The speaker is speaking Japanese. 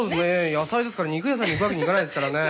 野菜ですから肉屋さんにいくわけにはいかないですからね。